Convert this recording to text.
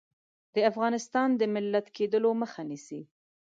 د افغانستان د ملت کېدلو مخه نیسي.